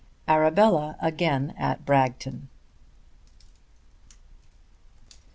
ARABELLA AGAIN AT BRAGTON.